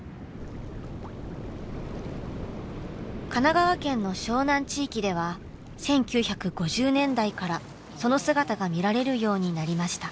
神奈川県の湘南地域では１９５０年代からその姿が見られるようになりました。